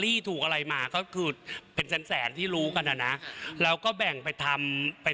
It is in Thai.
ที่ยอมให้คำตอบถูกความลับ